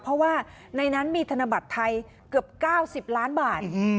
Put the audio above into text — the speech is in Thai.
เพราะว่าในนั้นมีธนบัตรไทยเกือบ๙๐ล้านบาท